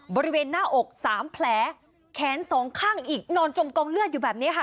บริเวณหน้าอกสามแผลแขนสองข้างอีกนอนจมกองเลือดอยู่แบบนี้ค่ะ